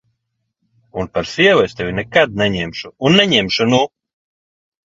Un par sievu es tevi nekad neņemšu un neņemšu, nu!